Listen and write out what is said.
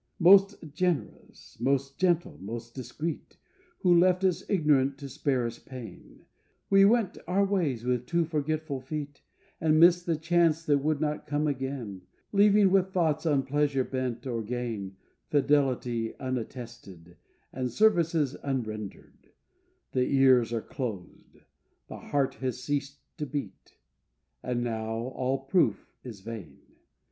Most generous, most gentle, most discreet, Who left us ignorant to spare us pain: We went our ways with too forgetful feet And missed the chance that would not come again, Leaving with thoughts on pleasure bent, or gain, Fidelity unattested And services unrendered: The ears are closed, the heart has ceased to beat, And now all proof is vain.